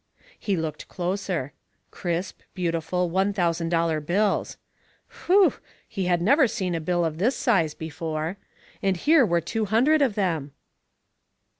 He looked closer. Crisp, beautiful, one thousand dollar bills. Whew! He had never seen a bill of this size before. And here were two hundred of them.